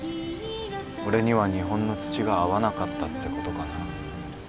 俺には日本の土が合わなかったってことかな。